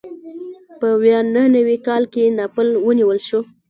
په ویا نهه نوي کال کې ناپل ونیول شو.